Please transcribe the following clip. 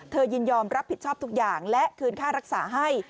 ยินยอมรับผิดชอบทุกอย่างและคืนค่ารักษาให้